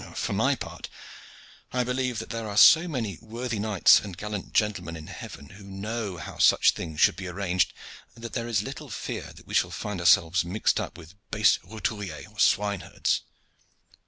For my part, I believe that there are so many worthy knights and gallant gentlemen in heaven who know how such things should be arranged, that there is little fear that we shall find ourselves mixed up with base roturiers and swine herds.